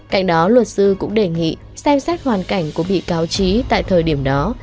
cạnh đó luật sư cũng đề nghị xem xét hoàn cảnh của vị cao trí tại thời điểm đó